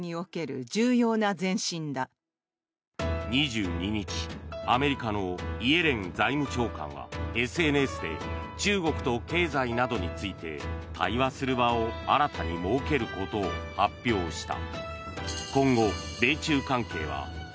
２２日アメリカのイエレン財務長官はＳＮＳで中国と経済などについて対話する場を新たに設けることを発表した。